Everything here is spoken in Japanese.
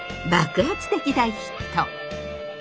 爆発的大ヒット！